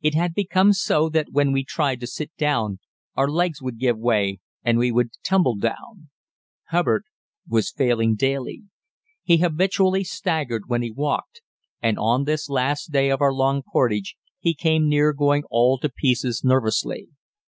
It had become so that when we tried to sit down our legs would give way and we would tumble down. Hubbard was failing daily. He habitually staggered when he walked, and on this last day of our long portage he came near going all to pieces nervously.